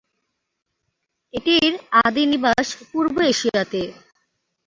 এটির আদি নিবাস পূর্ব এশিয়াতে।